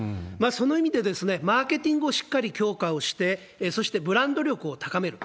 その意味で、マーケティングをしっかり強化をして、そしてブランド力を高める。